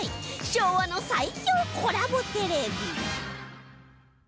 昭和の最強コラボテレビ